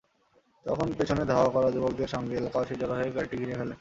তখন পেছনে ধাওয়া করা যুবকদের সঙ্গে এলাকাবাসী জড়ো হয়ে গাড়িটি ঘিরে ফেলেন।